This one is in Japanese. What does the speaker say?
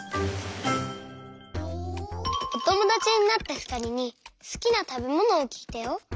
おともだちになったふたりにすきなたべものをきいたよ。